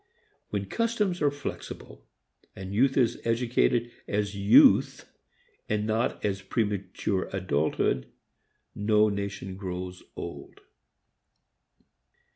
When customs are flexible and youth is educated as youth and not as premature adulthood, no nation grows old.